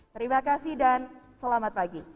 terima kasih dan selamat pagi